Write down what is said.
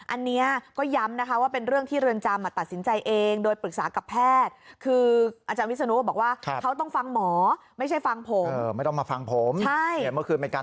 อันนี้ก็ย้ำว่าเป็นเรื่องที่เรือนจำ